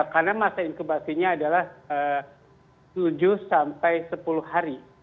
karena masa inkubasinya adalah tujuh sampai sepuluh hari